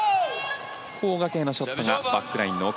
コウ・ガケイのショットがバックラインの奥。